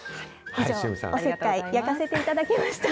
以上、おせっかい、焼かせていただきました。